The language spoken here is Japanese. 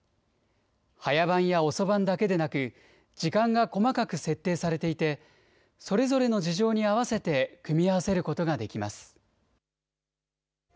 早番や遅番だけでなく、時間が細かく設定されていて、それぞれの事情に合わせて組み合わせることができます。